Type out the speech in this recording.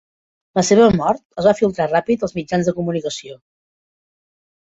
La seva mort es va filtrar ràpid als mitjans de comunicació.